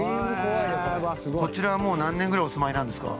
こちらはもう何年ぐらいお住まいなんですか。